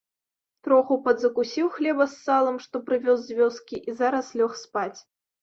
Троху падзакусіў хлеба з салам, што прывёз з вёскі, і зараз лёг спаць.